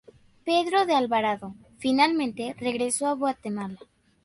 Pedro de Alvarado, finalmente, regresó a Guatemala.